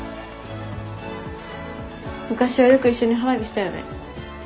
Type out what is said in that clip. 昔はよく一緒に花火したよね。